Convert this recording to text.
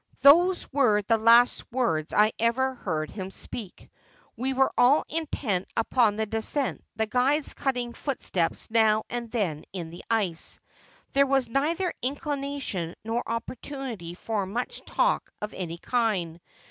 ' Those were the last words I ever heard him speak. We were all intent upon the descent, the guides cutting footsteps now and then in the ice. There was neither inclination nor opportunity for much talk of any kind.